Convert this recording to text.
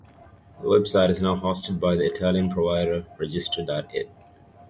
The website is now hosted by the Italian provider Register.it.